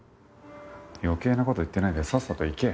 余計な事言ってないでさっさと行け。